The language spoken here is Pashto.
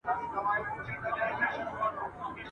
درته ایښي د څپلیو دي رنګونه `